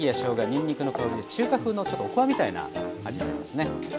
にんにくの香りで中華風のちょっとおこわみたいな味になりますね。